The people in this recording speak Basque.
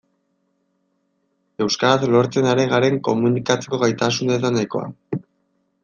Euskaraz lortzen ari garen komunikatzeko gaitasuna ez da nahikoa.